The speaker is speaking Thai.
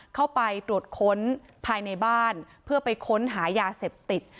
เข้าไปตรวจค้นภายในบ้านเพื่อไปค้นหายาเสพติด